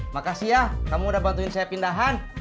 makasih ya kamu udah bantuin saya pindahan